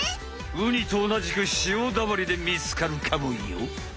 ウニとおなじく潮だまりでみつかるかもよ。